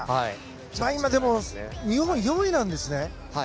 今、日本が４位なんですね。